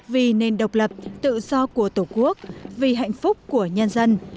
vì nền độc lập tự do của tổ quốc vì hạnh phúc của nhân dân